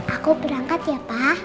aku berangkat ya pa